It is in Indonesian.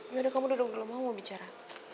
yaudah kamu duduk dulu mama mau bicara